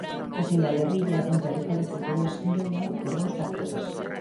O fin da guerrilla en territorio portugués veu dado por dous factores.